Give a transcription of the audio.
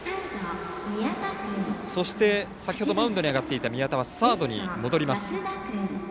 そして、先ほどマウンドに上がっていた宮田はサードに戻ります。